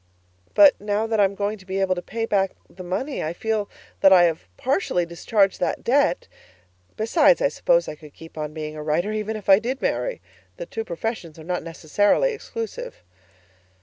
But now that I am going to be able to pay back the money, I feel that I have partially discharged that debt besides, I suppose I could keep on being a writer even if I did marry. The two professions are not necessarily exclusive.